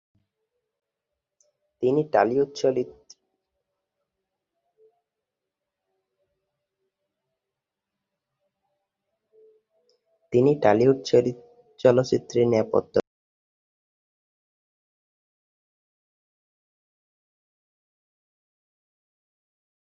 তিনি টলিউড চলচ্চিত্রে নেপথ্য গায়িকা এবং এছাড়াও তার নিজের একক অ্যালবাম আছে।